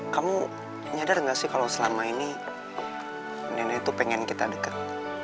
kamu nyadar nggak sih kalau selama ini nenek itu pengen kita deket